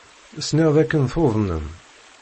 Sliɣ dakken tuḍnem.